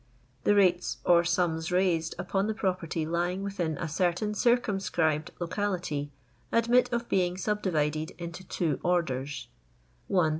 The rates or sums raised upon the property lying within a certain circumscribed locality, admit of being subdivided into two orders — 1.